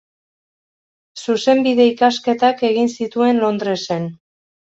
Zuzenbide ikasketak egin zituen Londresen.